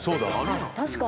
確かに。